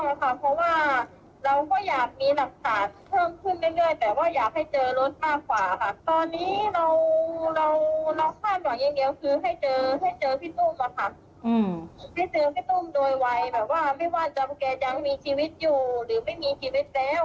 ไม่ว่าจำแกยังมีชีวิตอยู่หรือไม่มีชีวิตแล้ว